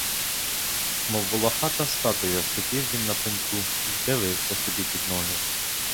Мов волохата статуя, сидів він на пеньку й дивився собі під ноги.